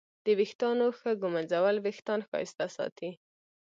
د ویښتانو ښه ږمنځول وېښتان ښایسته ساتي.